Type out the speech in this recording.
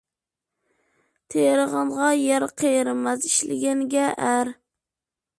تېرىغانغا يەر قېرىماس، ئىشلىگەنگە ئەر.